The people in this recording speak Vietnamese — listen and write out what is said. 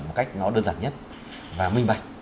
một cách nó đơn giản nhất và minh bạch